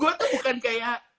gue tuh bukan kaya